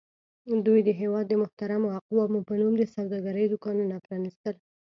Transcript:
دوی د هېواد د محترمو اقوامو په نوم د سوداګرۍ دوکانونه پرانیستل.